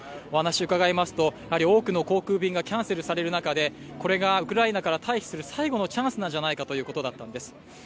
お話伺いますと、やはり多くの航空便がキャンセルされる中で、これがウクライナから退避する最後のチャンスなんじゃないかということだったんです。